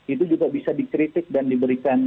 itu juga bisa dikritik dan diberikan